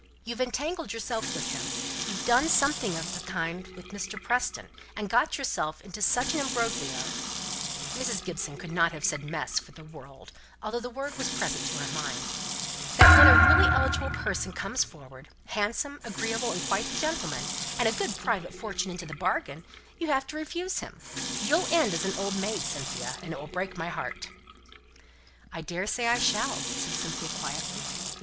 "You've entangled yourself with him, and you've done something of the sort with Mr. Preston, and got yourself into such an imbroglio" (Mrs. Gibson could not have said "mess" for the world, although the word was present to her mind), "that when a really eligible person comes forward handsome, agreeable, and quite the gentleman and a good private fortune into the bargain, you have to refuse him. You'll end as an old maid, Cynthia, and it will break my heart." "I daresay I shall," said Cynthia, quietly.